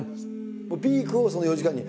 ピークをその４時間に。